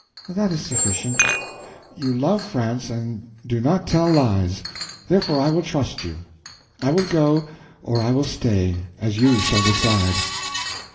"That is sufficient. You love France and do not tell lies; therefore I will trust you. I will go or I will stay, as you shall decide."